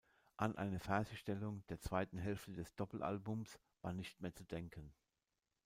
An eine Fertigstellung der zweiten Hälfte des Doppelalbums war nicht mehr zu denken.